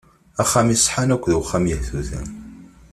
Axxam iṣeḥḥan akked uxxam yehtutan.